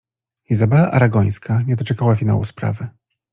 Izabela Aragońska nie doczekała finału sprawy.